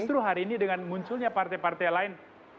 justru hari ini dengan munculnya partai partai lain